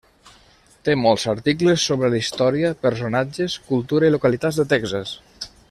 Té molts articles sobre la història, personatges, cultura i localitats de Texas.